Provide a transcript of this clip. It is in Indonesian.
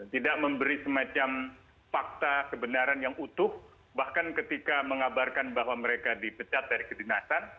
tidak memberi semacam fakta kebenaran yang utuh bahkan ketika mengabarkan bahwa mereka dipecat dari kedinasan